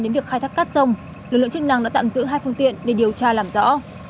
đến việc khai thác cát sông lực lượng chức năng đã tạm giữ hai phương tiện để điều tra làm rõ